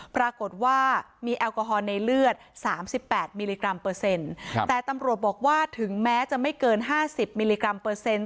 ปรากฏว่ามีแอลกอฮอลในเลือด๓๘มิลลิกรัมเปอร์เซ็นต์แต่ตำรวจบอกว่าถึงแม้จะไม่เกิน๕๐มิลลิกรัมเปอร์เซ็นต์